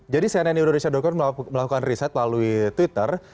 jadi cnn indonesia com melakukan riset melalui twitter